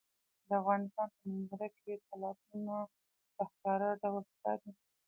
د افغانستان په منظره کې تالابونه په ښکاره ډول ښکاري.